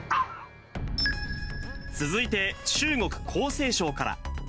続いて中国・江西省から。